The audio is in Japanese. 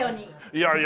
いやいや。